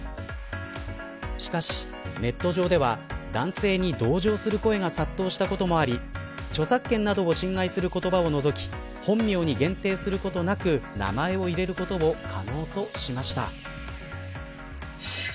しかし、ネット上では男性に同情する声が殺到したこともあり著作権などを侵害する言葉を除き本名に限定することなく名前を入れることを可能としました。